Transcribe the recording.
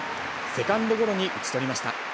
セカンドゴロに打ち取りました。